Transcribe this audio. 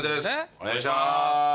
お願いします。